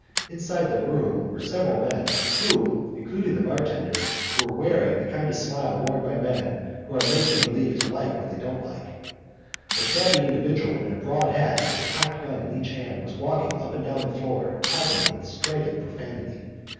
Inside the room were several men, who, including the bartender, were wearing the kind of smile worn by men who are making believe to like what they don't like. A shabby individual in a broad hat with a cocked gun in each hand was walking up and down the floor talking with strident profanity.